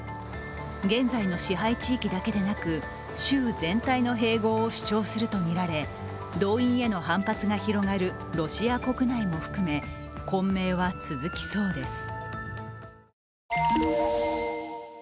現在の支配地域だけでなく州全体の併合を主張するとみられ動員への反発が広がるロシア国内も含め、混迷は続きそうです。